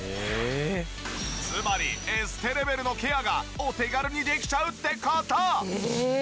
つまりエステレベルのケアがお手軽にできちゃうって事。